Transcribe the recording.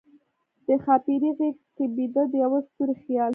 د ښاپیرۍ غیږ کې بیده، د یوه ستوری خیال